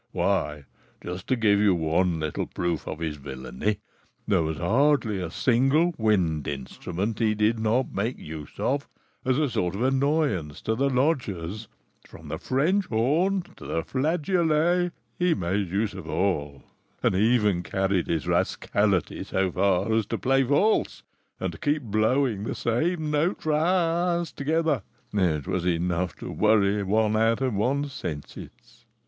Why, just to give you one little proof of his villainy, there was hardly a single wind instrument he did not make use of as a sort of annoyance to the lodgers; from the French horn to the flageolet, he made use of all, and even carried his rascality so far as to play false and to keep blowing the same note for hours together; it was enough to worry one out of one's senses.